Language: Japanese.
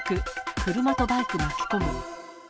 車とバイク巻き込む。